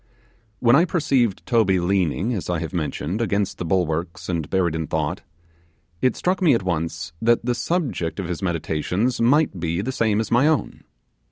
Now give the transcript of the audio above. When I perceived Toby leaning, as I have mentioned, against the bulwarks and buried in thought, it struck me at once that the subject of his meditations might be the same as my own.